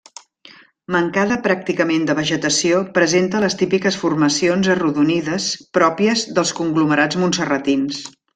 Mancada pràcticament de vegetació, presenta les típiques formacions arrodonides pròpies dels conglomerats montserratins.